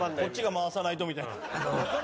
こっちが回さないとみたいな。